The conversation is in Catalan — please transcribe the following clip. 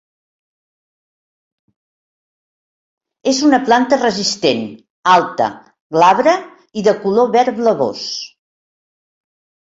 És una planta resistent, alta, glabra i de color verd blavós.